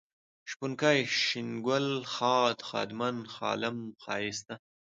شپونکی ، شين گل ، ښاد ، ښادمن ، ښالم ، ښايسته